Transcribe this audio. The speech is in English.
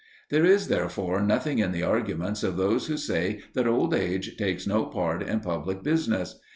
There is therefore nothing in the arguments of those who say that old age takes no part in public business.